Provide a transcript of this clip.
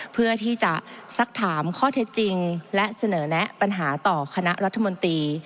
เพื่อที่จะสักถามข้อเท็จจริงและเสนอแนะปัญหาต่อคณะรัฐมนตรี